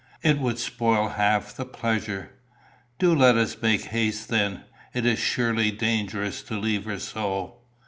It would spoil half the pleasure." "Do let us make haste then. It is surely dangerous to leave her so."